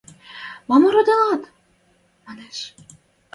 Мам ородыланет? – манеш.